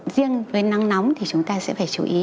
riêng với nắng nóng thì chúng ta sẽ phải chú ý